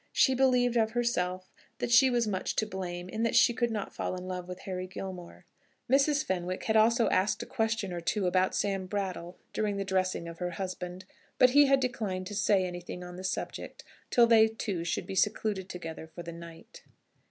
She believed of herself that she was much to blame in that she could not fall in love with Harry Gilmore. Mrs. Fenwick had also asked a question or two about Sam Brattle during the dressing of her husband; but he had declined to say anything on that subject till they two should be secluded together for the night.